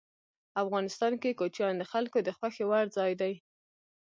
افغانستان کې کوچیان د خلکو د خوښې وړ ځای دی.